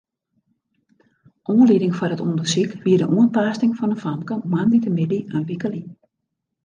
Oanlieding foar it ûndersyk wie de oantaasting fan in famke moandeitemiddei in wike lyn.